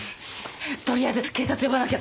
とりあえず警察呼ばなきゃ！